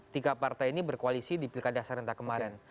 tiga partai ini berkoalisi di pilkada serentak kemarin